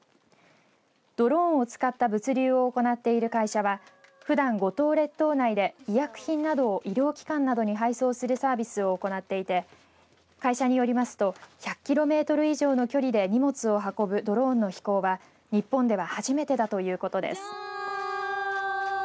ドローンを使った物流を行っている会社はふだん五島列島内で医薬品などを医療機関などに配送するサービスを行っていて会社によりますと１００キロメートル以上の距離で荷物を運ぶドローンの飛行は日本では初めてだということです。